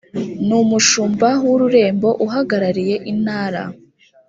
ni umushumba w’ururembo uhagarariye intara